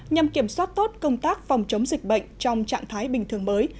nhằm kiểm soát tốt công tác phòng chống dịch bệnh trong trạng thái bình thường mới